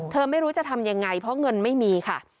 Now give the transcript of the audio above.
ไม่รู้จะทำยังไงเพราะเงินไม่มีค่ะ